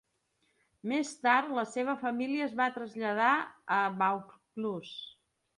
Més tard la seva família es va traslladar a Vaucluse.